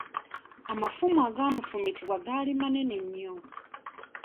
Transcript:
Amafumu agaamufumitibwa gaali manene nnyo.